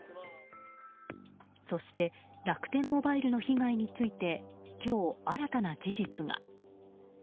そして楽天モバイルの被害について今日、新たな事実が。